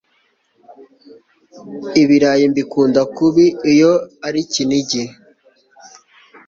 Ibirayi mbikunda kubi iyo ari kinigi